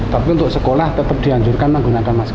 tapi untuk sekolah tetap dianjurkan menggunakan masker